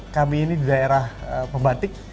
kami ini di daerah pembatik